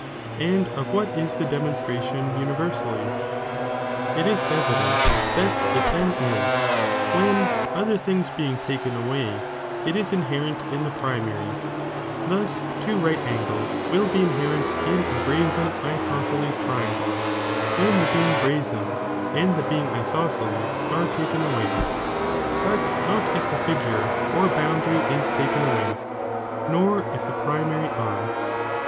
And of what is the dcnionstrattOQ universally? It is evident that it then is, when, other things being taken away, it is in herent in the primary, thus two right angles will be inherent in a brazen isosceles triangle, when the being brazen niid the being isosceles are taken away, but not if the figure or bound ary is taken away, nor if the primary are.